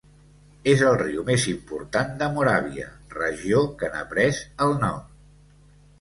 És el riu més important de Moràvia, regió que n'ha pres el nom.